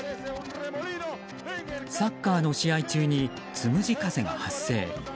サッカーの試合中につむじ風が発生。